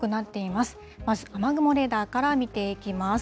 まず雨雲レーダーから見ていきます。